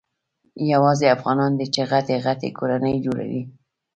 یوازي افغانان دي چي غټي غټي کورنۍ جوړوي.